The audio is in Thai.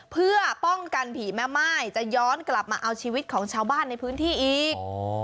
เพื่อป้องกันผีแม่ม่ายจะย้อนกลับมาเอาชีวิตของชาวบ้านในพื้นที่อีก